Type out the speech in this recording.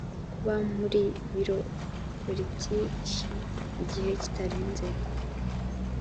kuba muri biro politiki mu gihe kitarenze